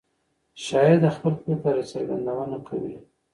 شاعر د خپل فکر څرګندونه کوي.